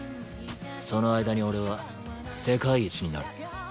その間に俺は世界一になる。